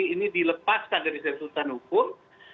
ini dilepaskan dari sistem tuntan hukum